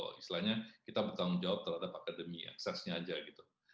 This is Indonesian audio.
oh istilahnya kita bertanggung jawab terhadap akademi eksesnya aja gitu